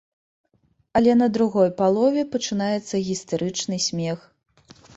Але на другой палове пачынаецца гістэрычны смех.